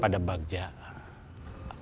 jadi aku tidak bisa k sulphok